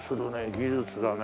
技術だね。